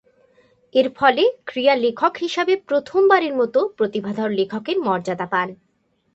এরফলে ক্রীড়া লেখক হিসেবে প্রথমবারের মতো প্রতিভাধর লেখকের মর্যাদা পান।